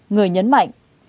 người nhấn mạnh